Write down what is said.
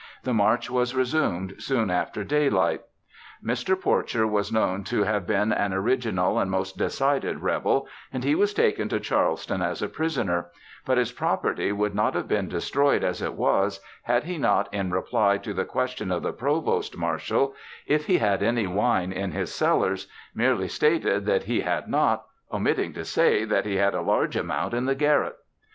The march was resumed soon after daylight. Mr. Porcher was known to have been an original and most decided Rebel, and he was taken to Charleston as a prisoner; but his property would not have been destroyed as it was, had he not in reply to the question of the provost marshal, "If he had any wine in his cellars" merely stated that he had not, omitting to say that he had a large amount in the garret.